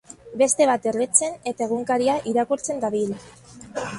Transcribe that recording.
Beste bat erretzen eta egunkaria irakurtzen dabil.